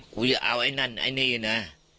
กูจะเอาไอ้นั่นไอ้นี่นะ